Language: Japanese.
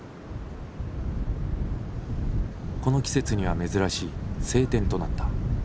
この季節には珍しい晴天となった。